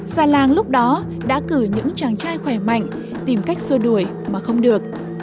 già làng lúc đó đã cử những chàng trai khỏe mạnh tìm cách xua đuổi mà không được